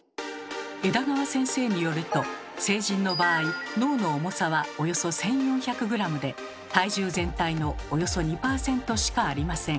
枝川先生によると成人の場合脳の重さはおよそ１，４００ｇで体重全体のおよそ２％しかありません。